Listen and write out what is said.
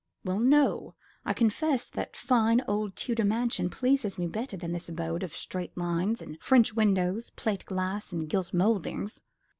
"Well, no. I confess that fine old Tudor mansion pleases me better than this abode of straight lines and French windows, plate glass and gilt mouldings."